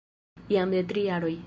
Jam de tri jaroj.